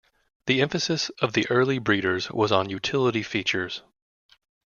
The emphasis of the early breeders was on utility features.